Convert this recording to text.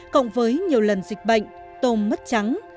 cộng với nhiều lần dịch bệnh tôm mất trắng